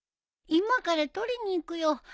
今から取りに行くよ。